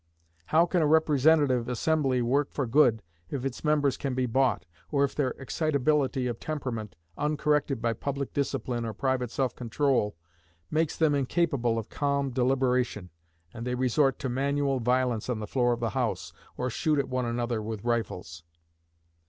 How can a representative assembly work for good if its members can be bought, or if their excitability of temperament, uncorrected by public discipline or private self control, makes them incapable of calm deliberation, and they resort to manual violence on the floor of the House, or shoot at one another with rifles?